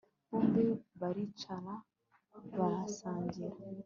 bombi baricara barasangira